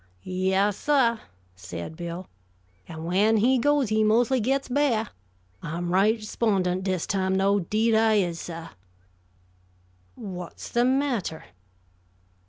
"Yassah," said Bill. "An' when he goes he mostly gets b'ah. I'm right 'spondent dis time, though, 'deed I is, suh." "What's the matter?"